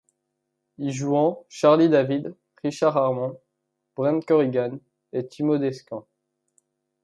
Y jouent Charlie David, Richard Harmon, Brent Corrigan et Timo Descamps.